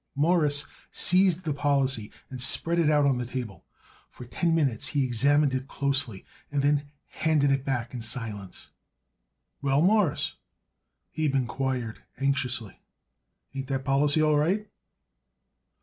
Morris seized the policy and spread it out on the table. For ten minutes he examined it closely and then handed it back in silence. "Well, Mawruss," Abe inquired anxiously, "ain't that policy all right?"